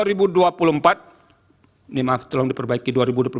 ini maaf tolong diperbaiki